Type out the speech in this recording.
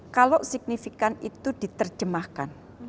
kalau signifikan itu diterjemahkan